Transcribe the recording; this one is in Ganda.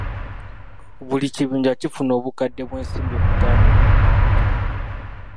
Buli kibinja kifuna obukadde bw'ensimbi butaano buli mwaka.